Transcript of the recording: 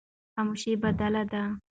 خاموشي بدله ده.